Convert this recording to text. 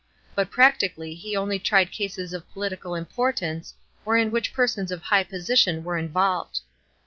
But practically he only tried cases of political importance or in which persons of high position were involved.